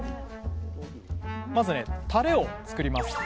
まずねタレを作ります。